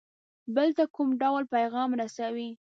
بل ته کوم ډول پیغام رسوي.